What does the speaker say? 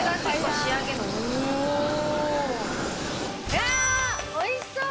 いやおいしそう！